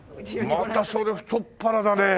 またそれ太っ腹だねえ。